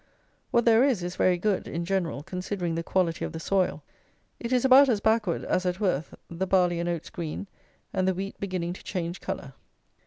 What there is is very good, in general, considering the quality of the soil. It is about as backward as at Worth: the barley and oats green, and the wheat beginning to change colour.